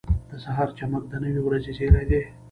• د سهار چمک د نوې ورځې زېری دی.